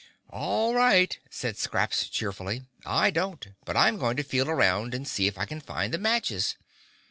"All right," said Scraps cheerfully. "I don't—but I'm going to feel around and see if I can find the matches.